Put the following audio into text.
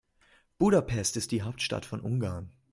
Budapest ist die Hauptstadt von Ungarn.